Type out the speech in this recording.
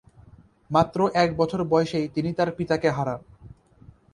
মাত্র এক বছর বয়সেই তিনি তার পিতাকে হারান।